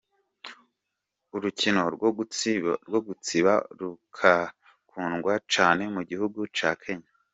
Urukino rwo gutsiba rurakundwa cane mu gihugu ca Kenya.